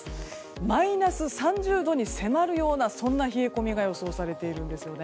マイナス３０度に迫るような冷え込みが予想されています。